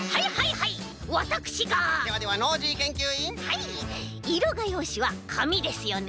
はいいろがようしはかみですよね？